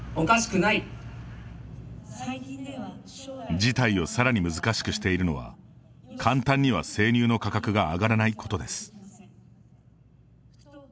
事態をさらに難しくしているのは簡単には生乳の価格が上がらないことです。